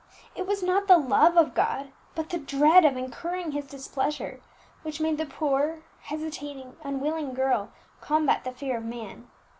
_ It was not the love of God, but the dread of incurring His displeasure, which made the poor, hesitating, unwilling girl combat the fear of man.